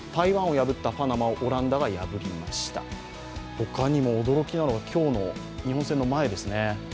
ほかにも驚きなのが、今日の日本戦の前ですね。